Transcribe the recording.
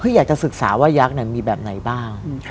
อยากจะศึกษาว่ายักษ์มีแบบไหนบ้าง